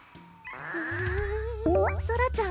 あうソラちゃん